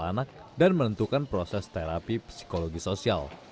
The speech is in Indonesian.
bagi anak anak korban eksploitasi seksual